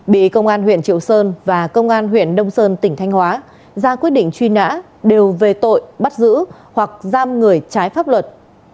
bị công an huyện triệu sơn và công an huyện đông sơn tỉnh thanh hóa ra quyết định truy nã đều về tội bắt giữ hoặc giam người trái pháp luật